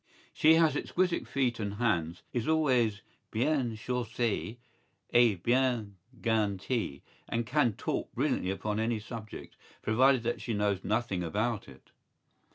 ¬Ý She has exquisite feet and hands, is always bien chaussée et bien gantée and can talk brilliantly upon any subject, provided that she knows nothing about it.